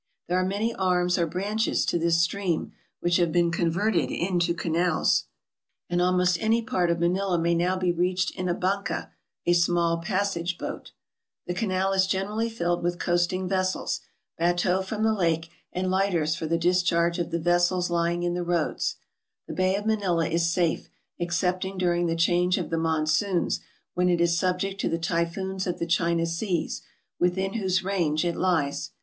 There are many arms or branches to this stream, which have been converted into canals ; and almost any part of Manila may now be reached in a banca, a small passage boat. The canal is generally filled with coasting vessels, ba teaux from the lake, and lighters for the discharge of the vessels lying in the roads. The bay of Manila is safe, ex cepting during the change of the monsoons, when it is subject to the typhoons of the China seas, within whose range it lies.